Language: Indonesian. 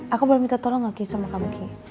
aku mau minta tolong gak ki sama kamu ki